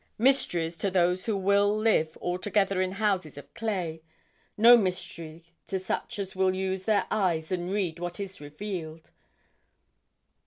Mysteries to those who will live altogether in houses of clay, no mystery to such as will use their eyes and read what is revealed.